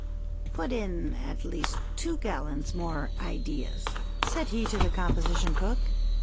" Put in at least two gallons more Ideas," said he to the Composition cook.